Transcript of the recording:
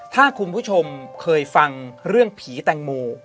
ถ้าคุณผู้ชมเคยฟังเรื่องผีแตงโม